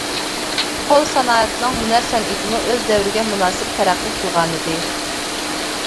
قول سانائەتنىڭ ھۈنەر سەنئىتىمۇ ئۆز دەۋرىگە مۇناسىپ تەرەققىي قىلغانىدى.